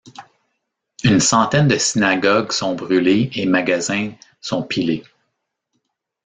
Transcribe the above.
Une centaine de synagogues sont brûlées et magasins sont pillés.